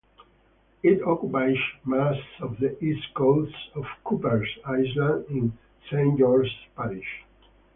It occupies much of the east coast of Cooper's Island, in Saint George's Parish.